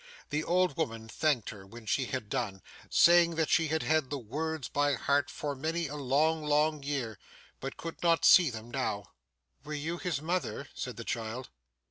The old woman thanked her when she had done, saying that she had had the words by heart for many a long, long year, but could not see them now. 'Were you his mother?' said the child.